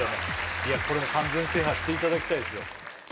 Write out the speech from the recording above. いやこれもう完全制覇していただきたいですよ